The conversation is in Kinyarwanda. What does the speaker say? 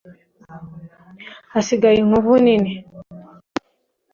hasigaye inkovu nini